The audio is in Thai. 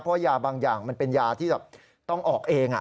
เพราะยาบางอย่างมันเป็นยาที่แบบต้องออกเอง